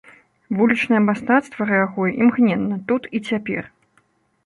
Вулічнае мастацтва рэагуе імгненна, тут і цяпер.